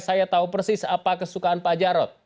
saya tahu persis apa kesukaan pak jarod